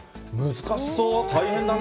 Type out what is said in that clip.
難しそう、大変だね。